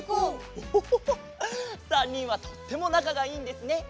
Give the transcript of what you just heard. オホホ３にんはとってもなかがいいんですね！